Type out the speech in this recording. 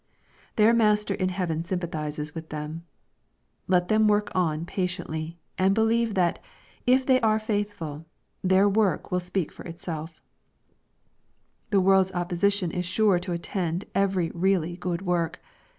Their Master in heaven sympathizes with them. Let them work on patiently, and believe that, if they are faithful, their work will speak for itself The world's opposition is sure to attend every really good work.